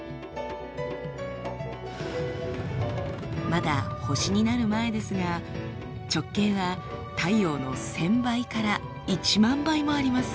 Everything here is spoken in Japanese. まだ星になる前ですが直径は太陽の１，０００倍から１万倍もあります。